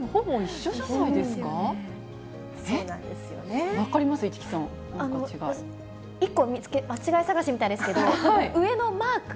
市來さん、１個、間違い探しみたいですけども、上のマーク？